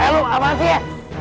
eh lo apaan sih ya